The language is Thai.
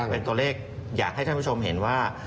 เป็นตัวเลขอยากให้ท่านผู้ชมเห็นว่า